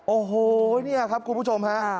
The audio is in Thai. โอ้โหนี่ครับคุณผู้ชมฮะ